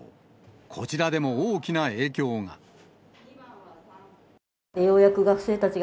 こちらでも大きな影響が。